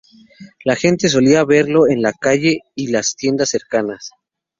La gente solía verlo en la calle y las tiendas cercanas.